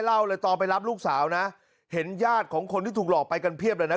เล่าเลยตอนไปรับลูกสาวนะเห็นญาติของคนที่ถูกหลอกไปกันเพียบเลยนะ